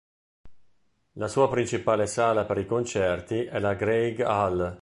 La sua principale sala per i concerti è la Greig Hall.